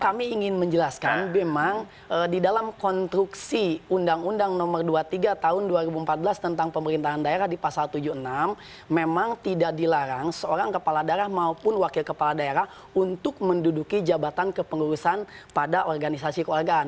kami ingin menjelaskan memang di dalam konstruksi undang undang nomor dua puluh tiga tahun dua ribu empat belas tentang pemerintahan daerah di pasal tujuh puluh enam memang tidak dilarang seorang kepala daerah maupun wakil kepala daerah untuk menduduki jabatan kepengurusan pada organisasi keluarga